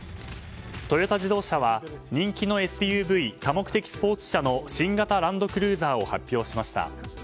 トヨタ自動車は、人気のＳＵＶ・多目的スポーツ車の新型ランドクルーザーを発表しました。